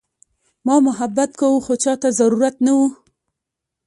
ما محبت کاوه خو چاته ضرورت نه وه.